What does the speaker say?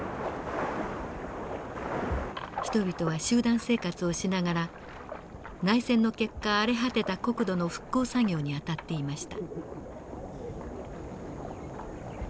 人々は集団生活をしながら内戦の結果荒れ果てた国土の復興作業に当たっていました。